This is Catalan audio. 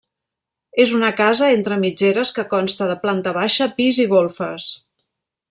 És una casa entre mitgeres que consta de planta baixa, pis i golfes.